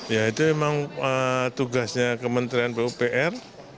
ya itu memang tugasnya kementerian pupr